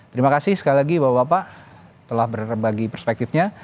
terima kasih sekali lagi bapak bapak telah berbagi perspektifnya